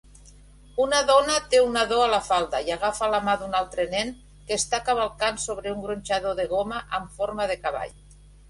Una dona té un nadó a la falda i agafa la mà d'un altre nen que està cavalcant sobre un gronxador de goma amb forma de cavall